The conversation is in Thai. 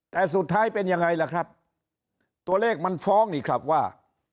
แต่สุดท้ายเป็นยังไงล่ะครับตัวเลขมันฟ้องนี่ครับว่า